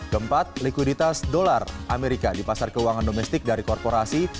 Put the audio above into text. keempat likuiditas dolar amerika di pasar keuangan domestik dari korporasi